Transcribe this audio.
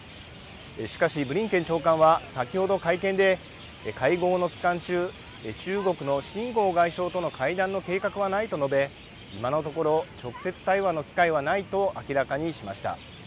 しかしブリンケン長官は先ほど会見で会合の期間中、中国の秦剛外相との会談の計画はないと述べ今のところ直接対話の機会はないと明らかにしました。